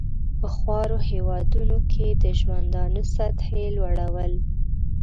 په خوارو هېوادونو کې د ژوندانه سطحې لوړول.